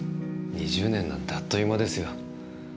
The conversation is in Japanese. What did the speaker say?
２０年なんてあっという間ですよ。